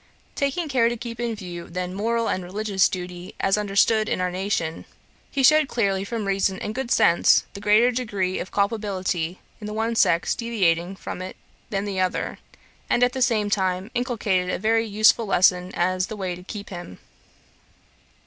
Taking care to keep in view then moral and religious duty, as understood in our nation, he shewed clearly from reason and good sense, the greater degree of culpability in the one sex deviating from it than the other; and, at the same time, inculcated a very useful lesson as to the way to keep him.